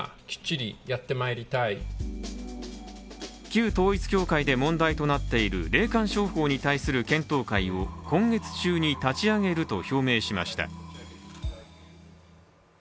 旧統一教会で問題となっている霊感商法に対する検討会を今月中に立ち上げると表明しました。